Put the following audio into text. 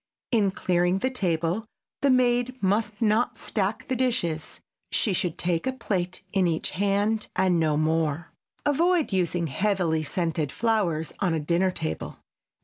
In clearing the table the maid must not stack the dishes. She should take a plate in each hand and no more. Avoid using heavily scented flowers on a dinner table.